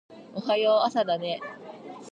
おはよう朝だね